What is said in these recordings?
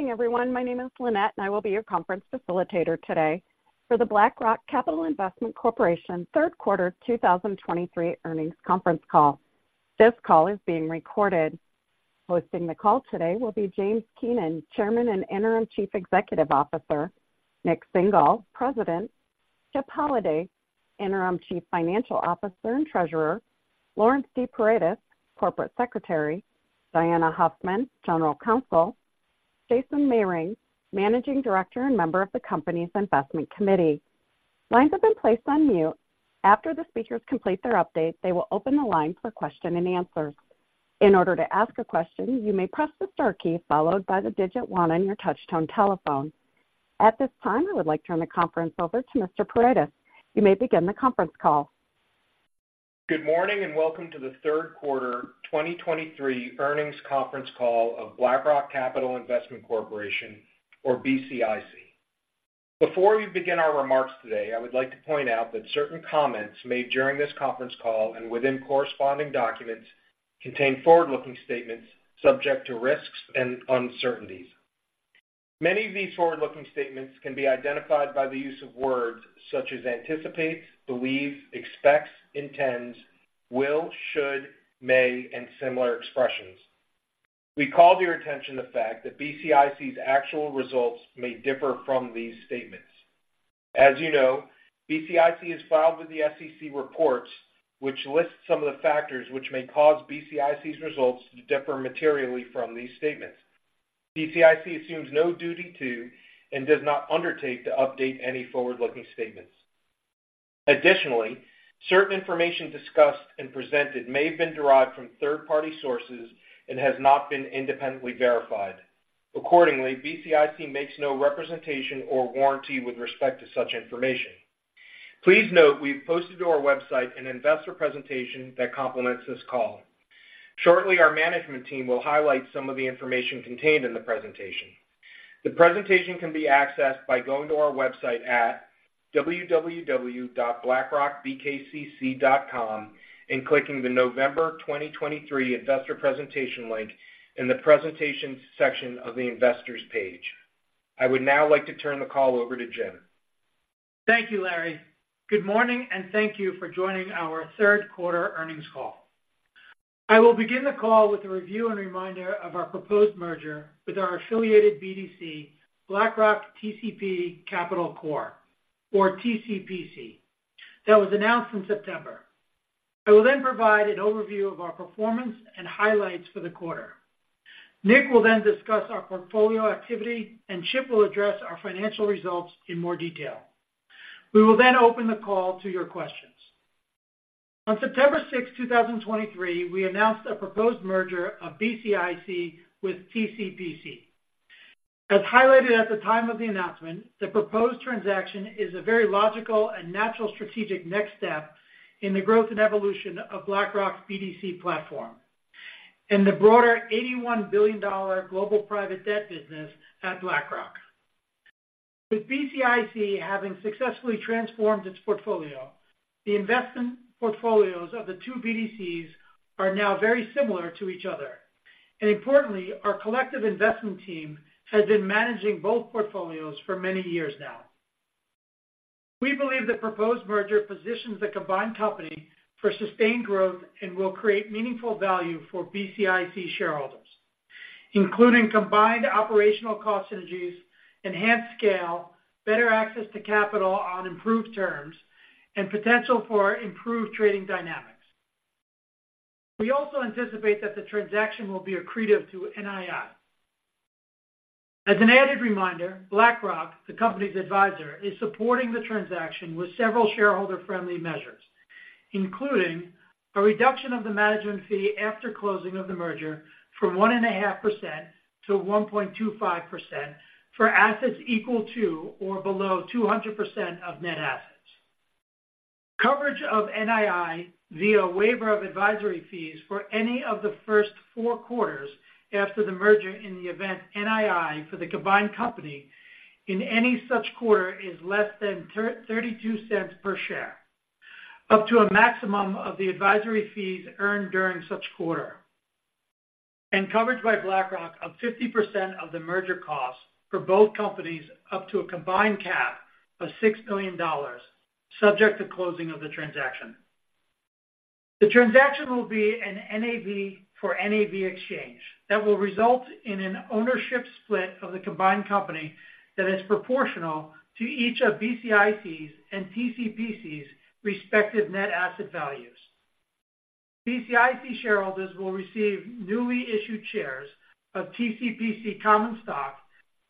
Good morning, everyone. My name is Lynette, and I will be your conference facilitator today for the BlackRock Capital Investment Corporation Third Quarter 2023 Earnings Conference Call. This call is being recorded. Hosting the call today will be James Keenan, Chairman and Interim Chief Executive Officer, Nik Singhal, President, Chip Holladay, Interim Chief Financial Officer and Treasurer, Laurence Paredes, Corporate Secretary, Diana Huffman, General Counsel, Jason Mehring, Managing Director and member of the company's Investment Committee. Lines have been placed on mute. After the speakers complete their update, they will open the line for question and answers. In order to ask a question, you may press the star key followed by the digit one on your touchtone telephone. At this time, I would like to turn the conference over to Mr. Paredes. You may begin the conference call. Good morning, and welcome to the third quarter 2023 earnings conference call of BlackRock Capital Investment Corporation, or BCIC. Before we begin our remarks today, I would like to point out that certain comments made during this conference call and within corresponding documents contain forward-looking statements subject to risks and uncertainties. Many of these forward-looking statements can be identified by the use of words such as anticipates, believes, expects, intends, will, should, may, and similar expressions. We call your attention to the fact that BCIC's actual results may differ from these statements. As you know, BCIC has filed with the SEC reports, which lists some of the factors which may cause BCIC's results to differ materially from these statements. BCIC assumes no duty to and does not undertake to update any forward-looking statements. Additionally, certain information discussed and presented may have been derived from third-party sources and has not been independently verified. Accordingly, BCIC makes no representation or warranty with respect to such information. Please note we've posted to our website an investor presentation that complements this call. Shortly, our management team will highlight some of the information contained in the presentation. The presentation can be accessed by going to our website at www.blackrockbkcc.com and clicking the November 2023 investor presentation link in the presentation section of the investors page. I would now like to turn the call over to Jim. Thank you, Larry. Good morning, and thank you for joining our third quarter earnings call. I will begin the call with a review and reminder of our proposed merger with our affiliated BDC, BlackRock TCP Capital Corp., or TCPC. That was announced in September. I will then provide an overview of our performance and highlights for the quarter. Nik will then discuss our portfolio activity, and Chip will address our financial results in more detail. We will then open the call to your questions. On September 6, 2023, we announced a proposed merger of BCIC with TCPC. As highlighted at the time of the announcement, the proposed transaction is a very logical and natural strategic next step in the growth and evolution of BlackRock's BDC platform and the broader $81 billion global private debt business at BlackRock. With BCIC having successfully transformed its portfolio, the investment portfolios of the two BDCs are now very similar to each other, and importantly, our collective investment team has been managing both portfolios for many years now. We believe the proposed merger positions the combined company for sustained growth and will create meaningful value for BCIC shareholders, including combined operational cost synergies, enhanced scale, better access to capital on improved terms, and potential for improved trading dynamics. We also anticipate that the transaction will be accretive to NII. As an added reminder, BlackRock, the company's advisor, is supporting the transaction with several shareholder-friendly measures, including a reduction of the management fee after closing of the merger from 1.5% to 1.25% for assets equal to or below 200% of net assets. Coverage of NII via waiver of advisory fees for any of the first 4 quarters after the merger in the event NII for the combined company in any such quarter is less than $0.32 per share, up to a maximum of the advisory fees earned during such quarter, and coverage by BlackRock of 50% of the merger costs for both companies, up to a combined cap of $6 million, subject to closing of the transaction. The transaction will be an NAV for NAV exchange that will result in an ownership split of the combined company that is proportional to each of BCIC's and TCPC's respective net asset values. BCIC shareholders will receive newly issued shares of TCPC common stock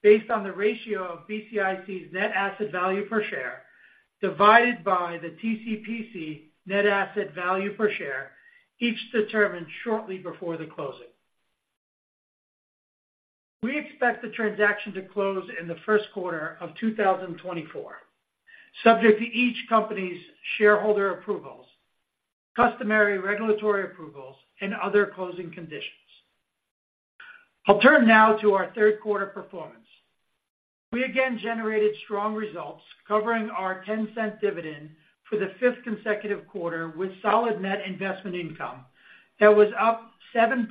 based on the ratio of BCIC's net asset value per share, divided by the TCPC net asset value per share, each determined shortly before the closing. We expect the transaction to close in the first quarter of 2024, subject to each company's shareholder approvals, customary regulatory approvals, and other closing conditions. I'll turn now to our third quarter performance... We again generated strong results, covering our $0.10 dividend for the fifth consecutive quarter with solid net investment income that was up 7%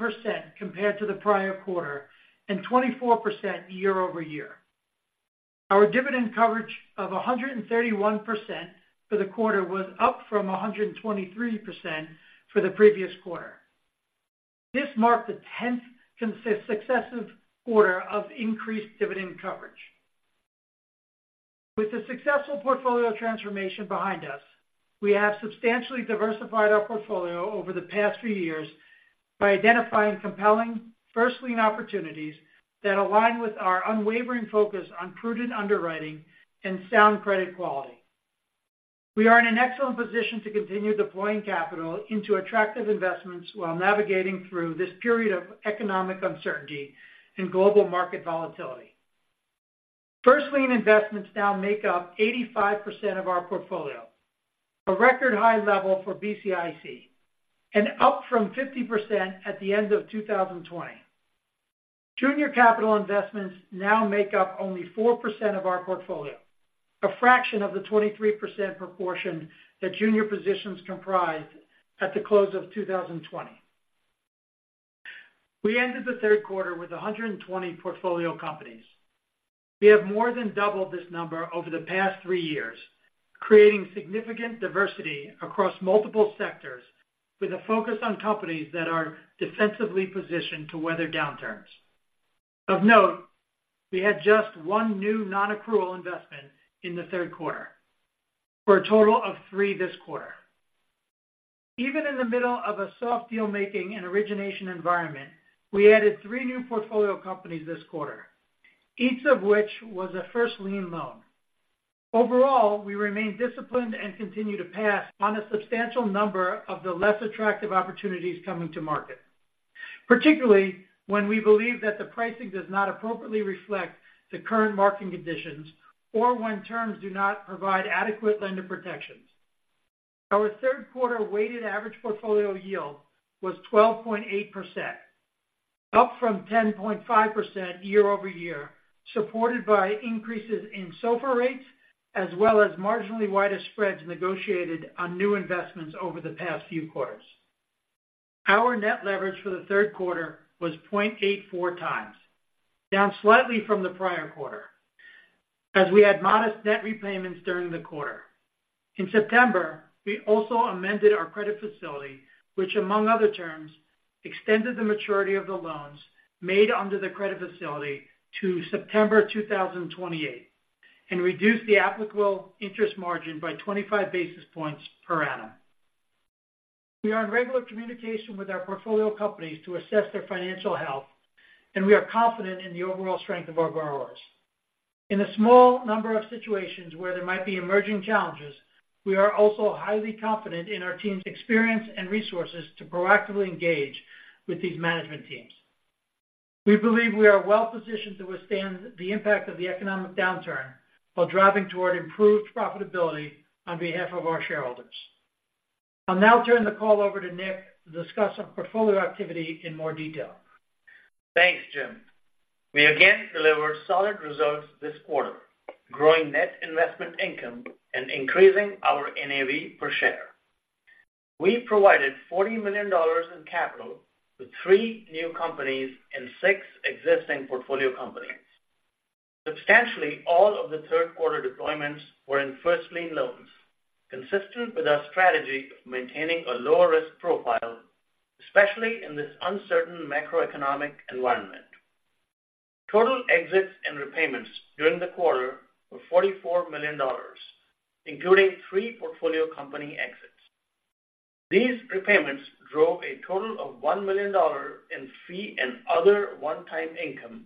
compared to the prior quarter, and 24% year-over-year. Our dividend coverage of 131% for the quarter was up from 123% for the previous quarter. This marked the 10th successive quarter of increased dividend coverage. With the successful portfolio transformation behind us, we have substantially diversified our portfolio over the past few years by identifying compelling first-lien opportunities that align with our unwavering focus on prudent underwriting and sound credit quality. We are in an excellent position to continue deploying capital into attractive investments while navigating through this period of economic uncertainty and global market volatility. First lien investments now make up 85% of our portfolio, a record high level for BCIC, and up from 50% at the end of 2020. Junior capital investments now make up only 4% of our portfolio, a fraction of the 23% proportion that junior positions comprised at the close of 2020. We ended the third quarter with 120 portfolio companies. We have more than doubled this number over the past three years, creating significant diversity across multiple sectors with a focus on companies that are defensively positioned to weather downturns. Of note, we had just 1 new non-accrual investment in the third quarter, for a total of 3 this quarter. Even in the middle of a soft deal-making and origination environment, we added three new portfolio companies this quarter, each of which was a first lien loan. Overall, we remain disciplined and continue to pass on a substantial number of the less attractive opportunities coming to market, particularly when we believe that the pricing does not appropriately reflect the current market conditions, or when terms do not provide adequate lender protections. Our third quarter weighted average portfolio yield was 12.8%, up from 10.5% year-over-year, supported by increases in SOFR rates, as well as marginally wider spreads negotiated on new investments over the past few quarters. Our net leverage for the third quarter was 0.84x, down slightly from the prior quarter, as we had modest debt repayments during the quarter. In September, we also amended our credit facility, which, among other terms, extended the maturity of the loans made under the credit facility to September 2028, and reduced the applicable interest margin by 25 basis points per annum. We are in regular communication with our portfolio companies to assess their financial health, and we are confident in the overall strength of our borrowers. In a small number of situations where there might be emerging challenges, we are also highly confident in our team's experience and resources to proactively engage with these management teams. We believe we are well positioned to withstand the impact of the economic downturn while driving toward improved profitability on behalf of our shareholders. I'll now turn the call over to Nik to discuss our portfolio activity in more detail. Thanks, Jim. We again delivered solid results this quarter, growing net investment income and increasing our NAV per share. We provided $40 million in capital to three new companies and six existing portfolio companies. Substantially all of the third quarter deployments were in first lien loans, consistent with our strategy of maintaining a lower risk profile, especially in this uncertain macroeconomic environment. Total exits and repayments during the quarter were $44 million, including three portfolio company exits. These repayments drove a total of $1 million in fee and other one-time income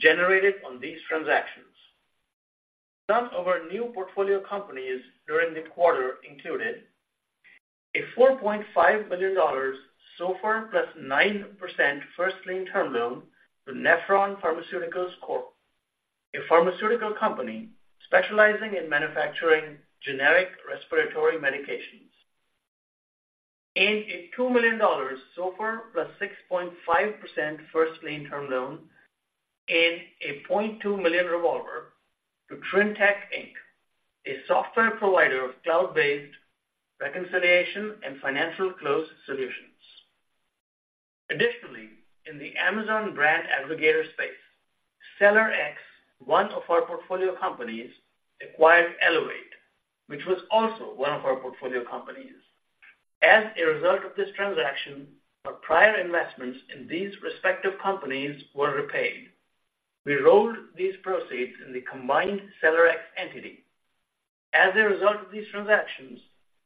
generated on these transactions. Some of our new portfolio companies during the quarter included a $4.5 million SOFR + 9% first lien term loan to Nephron Pharmaceuticals Corp., a pharmaceutical company specializing in manufacturing generic respiratory medications, and a $2 million SOFR + 6.5% first lien term loan, and a $0.2 million revolver to Trintech, Inc., a software provider of cloud-based reconciliation and financial close solutions. Additionally, in the Amazon brand aggregator space, SellerX, one of our portfolio companies, acquired Elevate, which was also one of our portfolio companies. As a result of this transaction, our prior investments in these respective companies were repaid. We rolled these proceeds in the combined SellerX entity. As a result of these transactions,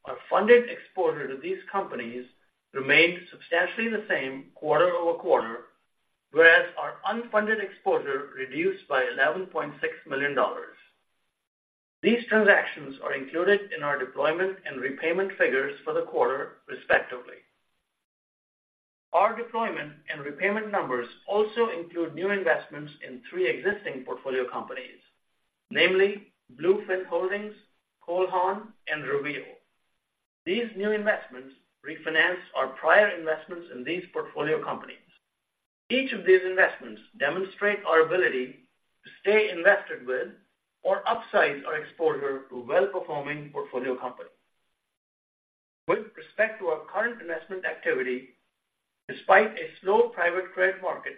our funded exposure to these companies remained substantially the same quarter-over-quarter, whereas our unfunded exposure reduced by $11.6 million. These transactions are included in our deployment and repayment figures for the quarter, respectively. Our deployment and repayment numbers also include new investments in three existing portfolio companies, namely Bluefin Holdings, Cole Haan, and Reveal... These new investments refinanced our prior investments in these portfolio companies. Each of these investments demonstrate our ability to stay invested with or upsize our exposure to well-performing portfolio companies. With respect to our current investment activity, despite a slow private credit market,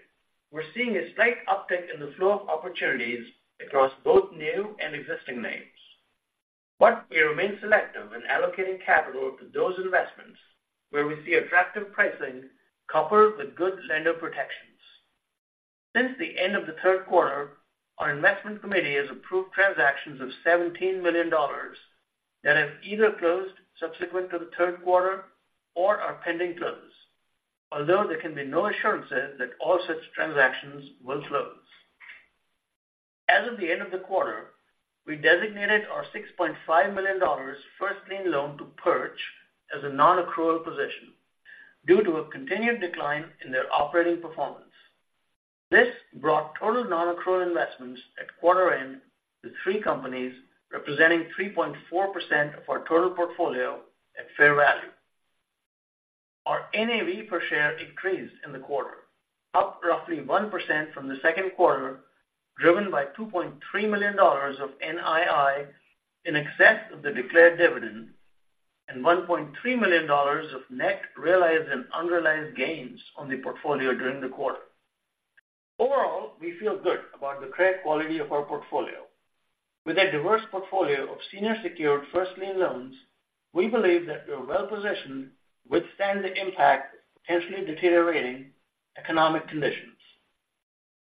we're seeing a slight uptick in the flow of opportunities across both new and existing names. But we remain selective in allocating capital to those investments where we see attractive pricing coupled with good lender protections. Since the end of the third quarter, our investment committee has approved transactions of $17 million that have either closed subsequent to the third quarter or are pending close, although there can be no assurances that all such transactions will close. As of the end of the quarter, we designated our $6.5 million first lien loan to Perch as a non-accrual position due to a continued decline in their operating performance. This brought total non-accrual investments at quarter-end to three companies, representing 3.4% of our total portfolio at fair value. Our NAV per share increased in the quarter, up roughly 1% from the second quarter, driven by $2.3 million of NII in excess of the declared dividend and $1.3 million of net realized and unrealized gains on the portfolio during the quarter. Overall, we feel good about the credit quality of our portfolio. With a diverse portfolio of senior secured first lien loans, we believe that we are well positioned to withstand the impact of potentially deteriorating economic conditions.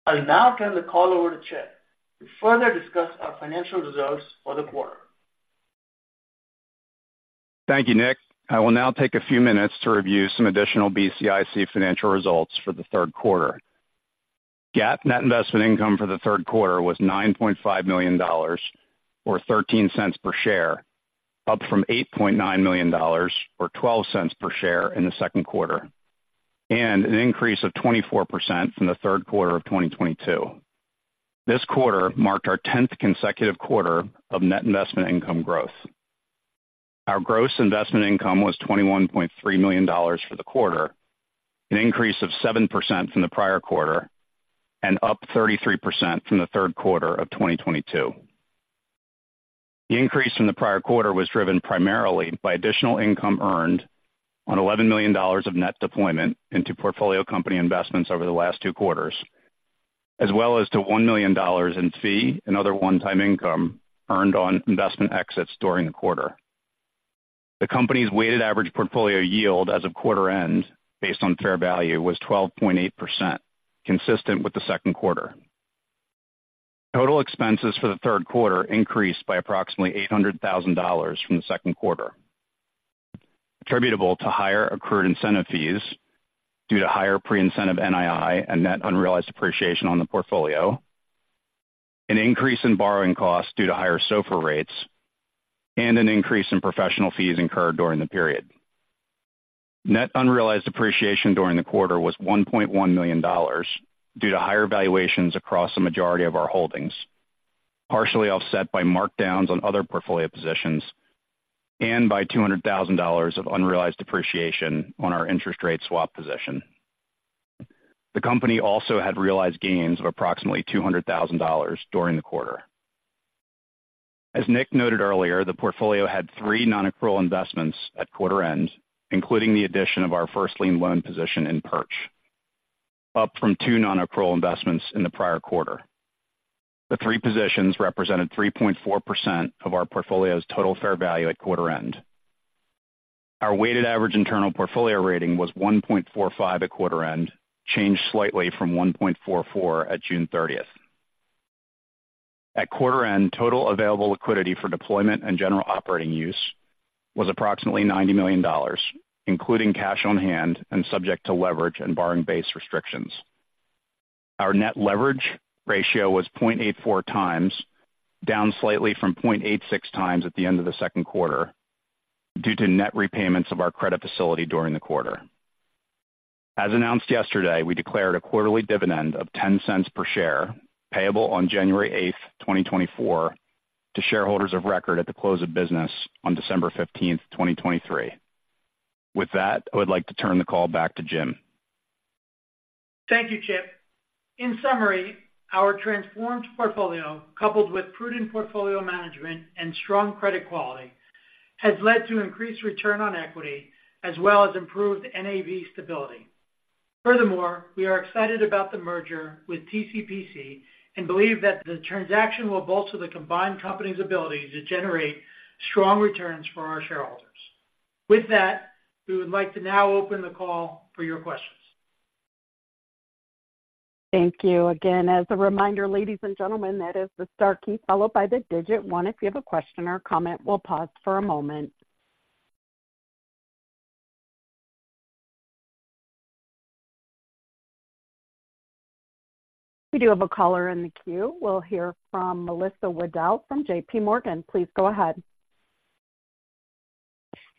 I'll now turn the call over to Chip to further discuss our financial results for the quarter. Thank you, Nik. I will now take a few minutes to review some additional BCIC financial results for the third quarter. GAAP net investment income for the third quarter was $9.5 million, or $0.13 per share, up from $8.9 million, or $0.12 per share in the second quarter, and an increase of 24% from the third quarter of 2022. This quarter marked our 10th consecutive quarter of net investment income growth. Our gross investment income was $21.3 million for the quarter, an increase of 7% from the prior quarter and up 33% from the third quarter of 2022. The increase from the prior quarter was driven primarily by additional income earned on $11 million of net deployment into portfolio company investments over the last two quarters, as well as $1 million in fee and other one-time income earned on investment exits during the quarter. The company's weighted average portfolio yield as of quarter-end, based on fair value, was 12.8%, consistent with the second quarter. Total expenses for the third quarter increased by approximately $800,000 from the second quarter, attributable to higher accrued incentive fees due to higher pre-incentive NII and net unrealized appreciation on the portfolio, an increase in borrowing costs due to higher SOFR rates, and an increase in professional fees incurred during the period. Net unrealized appreciation during the quarter was $1.1 million due to higher valuations across the majority of our holdings, partially offset by markdowns on other portfolio positions and by $200,000 of unrealized appreciation on our interest rate swap position. The company also had realized gains of approximately $200,000 during the quarter. As Nik noted earlier, the portfolio had three non-accrual investments at quarter-end, including the addition of our first lien loan position in Perch, up from two non-accrual investments in the prior quarter. The three positions represented 3.4% of our portfolio's total fair value at quarter-end. Our weighted average internal portfolio rating was 1.45 at quarter-end, changed slightly from 1.44 at June 13th. At quarter-end, total available liquidity for deployment and general operating use was approximately $90 million, including cash on hand and subject to leverage and borrowing base restrictions. Our net leverage ratio was 0.84x, down slightly from 0.86x at the end of the second quarter, due to net repayments of our credit facility during the quarter. As announced yesterday, we declared a quarterly dividend of $0.10 per share, payable on January 8, 2024, to shareholders of record at the close of business on December 15, 2023. With that, I would like to turn the call back to Jim. Thank you, Chip. In summary, our transformed portfolio, coupled with prudent portfolio management and strong credit quality, has led to increased return on equity as well as improved NAV stability. Furthermore, we are excited about the merger with TCPC and believe that the transaction will bolster the combined company's ability to generate strong returns for our shareholders. With that, we would like to now open the call for your questions. Thank you again. As a reminder, ladies and gentlemen, that is the star key followed by the digit one if you have a question or comment. We'll pause for a moment. We do have a caller in the queue. We'll hear from Melissa Wedel from JPMorgan. Please go ahead.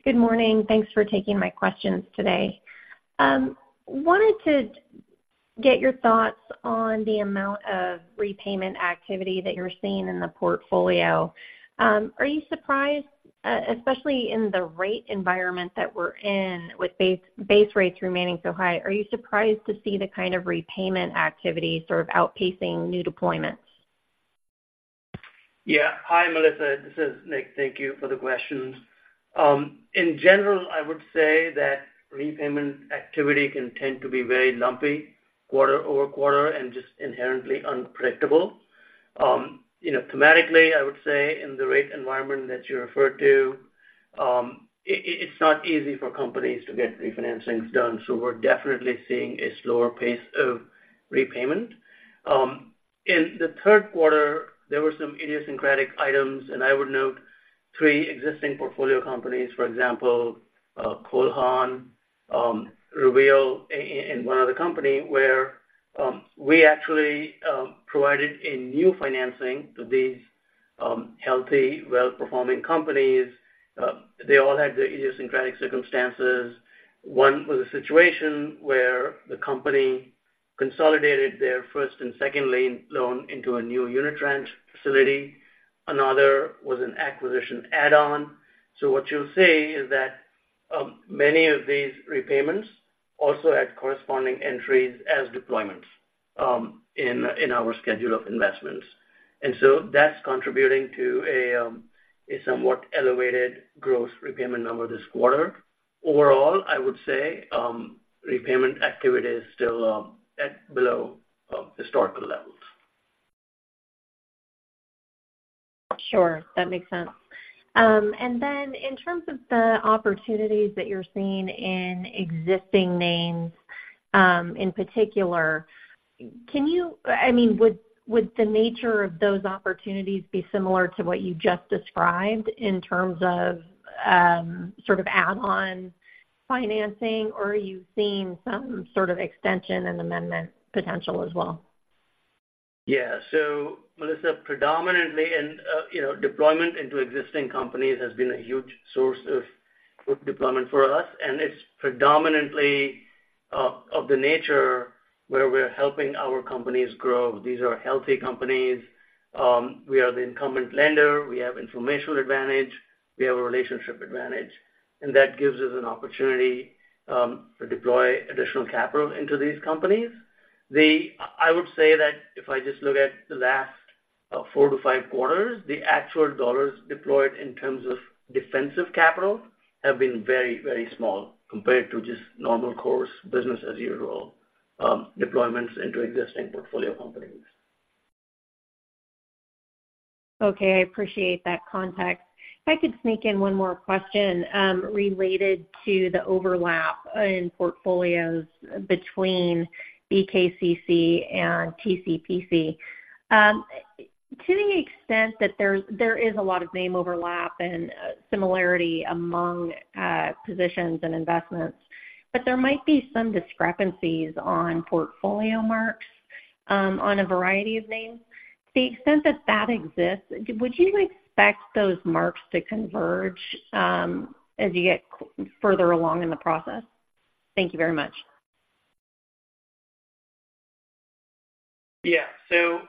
Good morning. Thanks for taking my questions today. Wanted to get your thoughts on the amount of repayment activity that you're seeing in the portfolio. Are you surprised, especially in the rate environment that we're in, with base rates remaining so high, are you surprised to see the kind of repayment activity sort of outpacing new deployments? Yeah. Hi, Melissa, this is Nik. Thank you for the questions. In general, I would say that repayment activity can tend to be very lumpy quarter-over-quarter and just inherently unpredictable. You know, thematically, I would say in the rate environment that you referred to, it's not easy for companies to get refinancings done, so we're definitely seeing a slower pace of repayment. In the third quarter, there were some idiosyncratic items, and I would note three existing portfolio companies. For example, Cole Haan, Reveal, and one other company where we actually provided a new financing to these healthy, well-performing companies. They all had their idiosyncratic circumstances. One was a situation where the company consolidated their first and second lien loan into a new unitranche facility. Another was an acquisition add-on. What you'll see is that many of these repayments also had corresponding entries as deployments in our schedule of investments. That's contributing to a somewhat elevated gross repayment number this quarter. Overall, I would say repayment activity is still at below historical levels. Sure. That makes sense. And then in terms of the opportunities that you're seeing in existing names, in particular, can you—I mean, would the nature of those opportunities be similar to what you just described in terms of sort of add-on financing, or are you seeing some sort of extension and amendment potential as well? Yeah. So Melissa, predominantly, and you know, deployment into existing companies has been a huge source of good deployment for us, and it's predominantly, of the nature where we're helping our companies grow. These are healthy companies. We are the incumbent lender. We have informational advantage. We have a relationship advantage, and that gives us an opportunity to deploy additional capital into these companies. The. I would say that if I just look at the last 4-5 quarters, the actual dollars deployed in terms of defensive capital have been very, very small compared to just normal course business as usual deployments into existing portfolio companies. Okay. I appreciate that context. If I could sneak in one more question, related to the overlap in portfolios between BKCC and TCPC. To the extent that there is a lot of name overlap and similarity among positions and investments, but there might be some discrepancies on portfolio marks, on a variety of names. To the extent that that exists, would you expect those marks to converge, as you get further along in the process? Thank you very much. Yeah. So,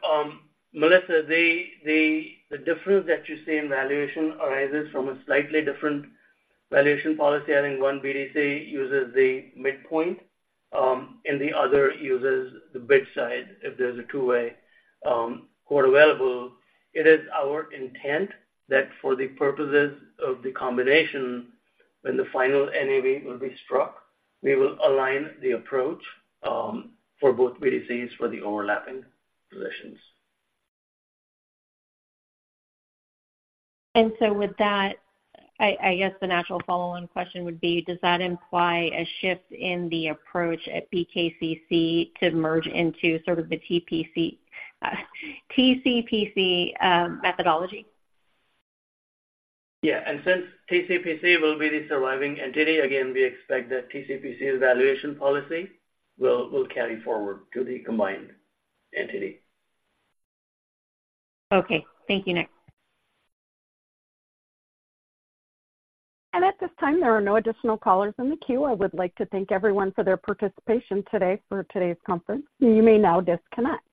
Melissa, the difference that you see in valuation arises from a slightly different valuation policy, and one BDC uses the midpoint, and the other uses the bid side, if there's a two-way quote available. It is our intent that for the purposes of the combination, when the final NAV will be struck, we will align the approach for both BDCs for the overlapping positions. And so with that, I guess the natural follow-on question would be, does that imply a shift in the approach at BKCC to merge into sort of the TPC, TCPC, methodology? Yeah, and since TCPC will be the surviving entity, again, we expect that TCPC's valuation policy will carry forward to the combined entity. Okay. Thank you, Nik. At this time, there are no additional callers in the queue. I would like to thank everyone for their participation today for today's conference. You may now disconnect.